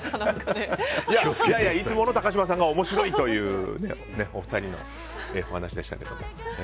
いつもの高嶋さんが面白いというお二人のお話でしたけども。